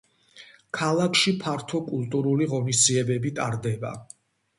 ქალაქში ფართო კულტურული ღონისძიებები ტარდება.